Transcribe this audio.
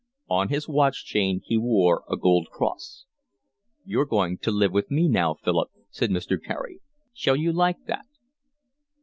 On his watch chain he wore a gold cross. "You're going to live with me now, Philip," said Mr. Carey. "Shall you like that?"